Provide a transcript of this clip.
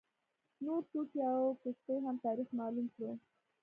نور توکي او کښتۍ هم تاریخ معلوم کړو.